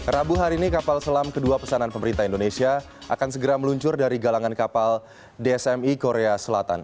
rabu hari ini kapal selam kedua pesanan pemerintah indonesia akan segera meluncur dari galangan kapal dsmi korea selatan